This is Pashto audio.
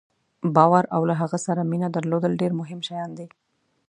باور او له هغه سره مینه درلودل ډېر مهم شیان دي.